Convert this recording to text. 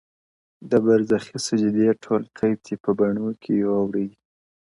د برزخي سجدې ټول کيف دي په بڼو کي يو وړئ،